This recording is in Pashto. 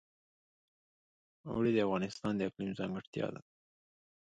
اوړي د افغانستان د اقلیم ځانګړتیا ده.